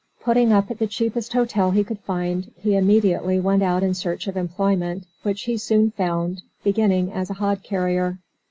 Putting up at the cheapest hotel he could find, he immediately went out in search of employment, which he soon found, beginning as a hod carrier.